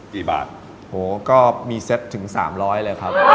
กี่บาทโหก็มีเส้นถึง๓๐๐บาทเลยครับ